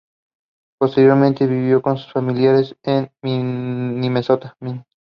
Posteriormente, vivió con sus familiares en Minnesota.